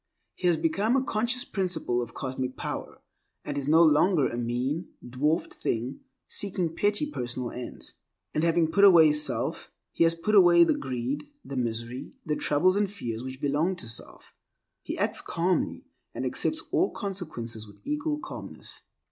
He has become a conscious principle of Cosmic Power, and is no longer a mean, dwarfed thing, seeking petty personal ends. And having put away self, he has put away the greed, the misery, the troubles and fears which belong to self. He acts calmly, and accepts all consequences with equal calmness.